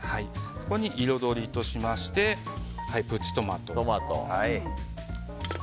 ここに彩りとしてプチトマト。